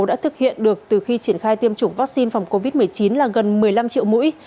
đã thực hiện được từ khi triển khai tiêm chủng vaccine phòng covid một mươi chín là gần một mươi năm triệu mũi